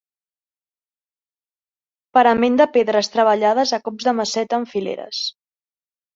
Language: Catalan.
Parament de pedres treballades a cops de maceta en fileres.